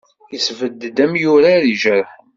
Yesbedd-d amyurar ijerḥen.